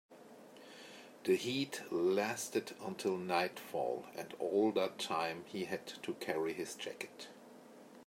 The heat lasted until nightfall, and all that time he had to carry his jacket.